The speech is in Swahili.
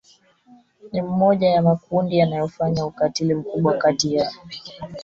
ni mmoja ya makundi yanayofanya ukatili mkubwa kati ya